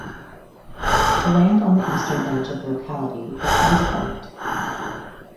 The land on the eastern edge of the locality is undeveloped.